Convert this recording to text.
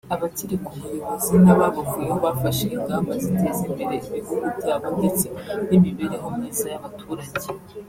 abakiri ku buyobozi n’ababuvuyeho bafashe ingamba ziteza imbere ibihugu byabo ndetse n’imibereho myiza y’abaturage